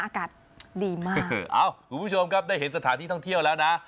อากาศดีมากเอ้าคุณผู้ชมครับได้เห็นสถานที่ท่องเที่ยวแล้วนะ